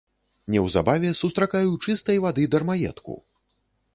Неўзабаве сустракаю чыстай вады дармаедку!